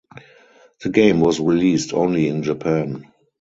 The game was released only in Japan.